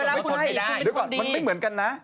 มันไม่เหมือนกันนะ